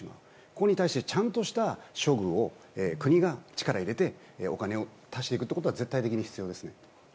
ここに対してちゃんとした処遇を国が力を入れてお金を出していくことが絶対的に必要ですね。